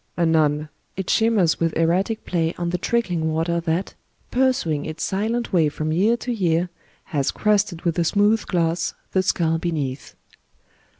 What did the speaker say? Anon, it shimmers with erratic play on the trickling water that, pursuing its silent way from year to year, has crusted with a smooth gloss the skull beneath.